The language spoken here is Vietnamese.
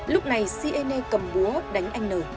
lúc này siene cầm búa đánh anh nờ